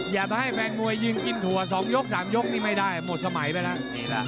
อยากจะให้แฟนมวยยืนกินถั่ว๒ยก๓ยกนี่ไม่ได้หมดสมัยไปแล้ว